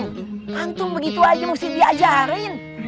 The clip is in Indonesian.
ya salam antum begitu aja mesti diajarin